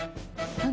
「何？